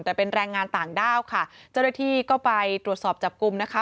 แต่เป็นแรงงานต่างด้าวค่ะเจ้าหน้าที่ก็ไปตรวจสอบจับกลุ่มนะคะ